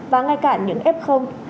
và ngay cả những ép không